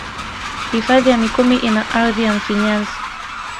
Hifadhi ya mikumi ina ardhi ya mfinyanzi